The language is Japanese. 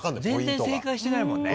全然正解してないもんね。